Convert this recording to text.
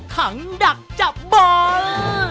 ขังดักจับบอง